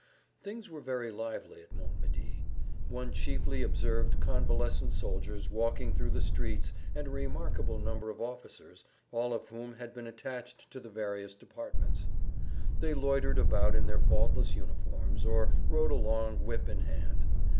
Things were very lively at Montmédy. One chiefly[Pg 143] observed convalescent soldiers walking through the streets and a remarkable number of officers, all of whom had been attached to the various departments. They loitered about in their faultless uniforms, or rode along whip in hand.